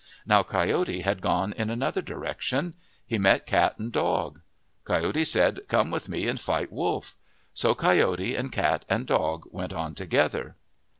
Now Coyote had gone in another direction. He met Cat and Dog. Coyote said, " Come with me and fight Wolf." So Coyote and Cat and Dog went on together.